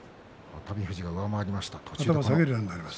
熱海富士が上回りました。